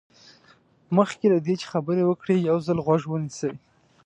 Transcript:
مخکې له دې چې خبرې وکړئ یو ځل غوږ ونیسئ.